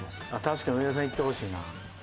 確かに上田さんいってほしいな。